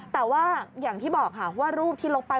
แต่ว่าอย่างที่บอกค่ะว่ารูปที่ลบไป